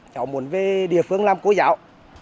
cháu muốn về địa phương làm cố dạo